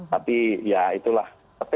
tapi ya itulah